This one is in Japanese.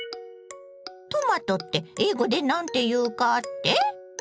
トマトって英語で何ていうかって？